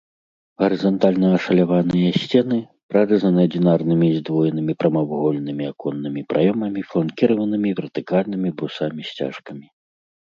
Гарызантальна ашаляваныя сцены прарэзаны адзінарнымі і здвоенымі прамавугольнымі аконнымі праёмамі, фланкіраванымі вертыкальнымі брусамі-сцяжкамі.